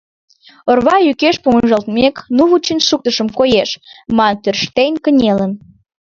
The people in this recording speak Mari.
Орва йӱкеш помыжалтмек, «Ну, вучен шуктышым, коеш!» ман тӧрштен кынелын.